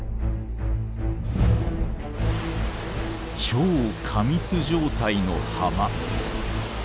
超過密状態の浜。